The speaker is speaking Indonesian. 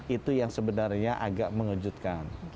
itu yang sebenarnya agak mengejutkan